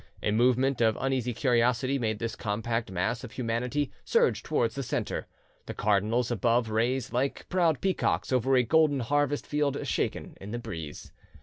A movement of uneasy curiosity made this compact mass of humanity surge towards the centre, the cardinals above raised like proud peacocks over a golden harvest field shaken in the breeze.